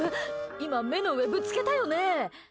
今、目の上ぶつけたよね？